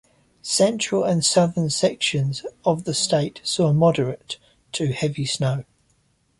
Central and southern sections of the state saw moderate to heavy snow.